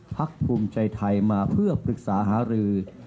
ภูมิใจไทยมาเพื่อปรึกษาหารือ